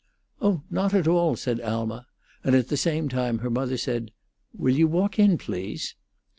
"Oh, not at all," said Alma; and at the same time her mother said, "Will you walk in, please?"